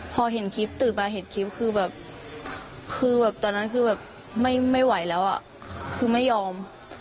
พอเห็นคลิปตื่นมาเห็นคลิปคือแบบคือแบบตอนนั้นคือแบบไม่ไหวแล้วอ่ะคือไม่ยอม